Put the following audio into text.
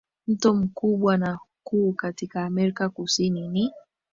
mto mkubwa na kuu katika Amerika Kusini ni